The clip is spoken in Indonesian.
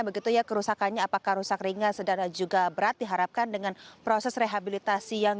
begitu ya kerusakannya apakah rusak ringan sedang juga berat diharapkan dengan proses rehabilitasi yang